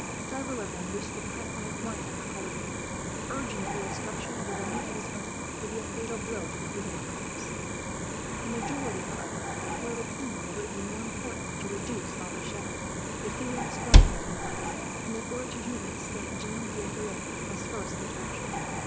Several of them wished to press on at once after Coligny, urging that the destruction of the remnant of his army would be a fatal blow to the Huguenot cause. The majority, however, were of opinion that it was of more importance to reduce La Rochelle, the Huguenots' stronghold in the west, and in order to do this Saint Jean d'Angely must first be captured.